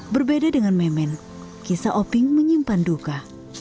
berbeda dengan memen kisah oping menyimpan duka